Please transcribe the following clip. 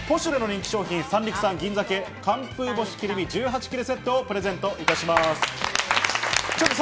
ポシュレの人気商品、「三陸産銀鮭寒風干し切り身１８切セット」をプレゼントいたします。